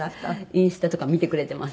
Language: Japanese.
インスタとか見てくれてます。